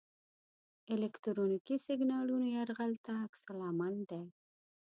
الکترونیکي سیګنالونو یرغل ته عکس العمل دی.